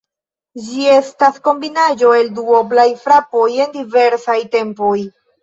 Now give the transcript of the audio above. Ĝi estas kombinaĵo el duoblaj frapoj en diversaj tempoj.